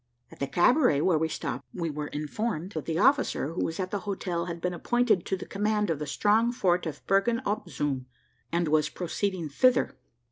At the cabaret where we stopped, we were informed that the officer who was at the hotel had been appointed to the command of the strong fort of Bergen op Zoom, and was proceeding thither.